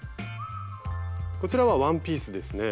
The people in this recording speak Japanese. こちらはワンピースですね。